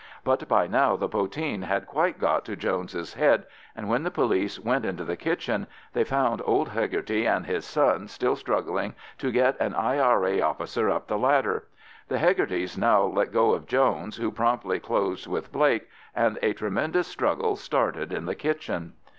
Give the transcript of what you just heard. But by now the poteen had quite got to Jones's head; and when the police went into the kitchen, they found old Hegarty and his son still struggling to get an I.R.A. officer up the ladder. The Hegartys now let go of Jones, who promptly closed with Blake, and a tremendous struggle started in the kitchen.